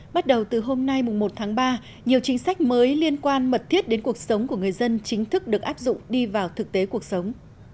bắt đầu từ hôm nay một tháng ba nhiều chính sách mới liên quan mật thiết đến cuộc sống của người dân chính thức được áp dụng đi vào thực tế cuộc sống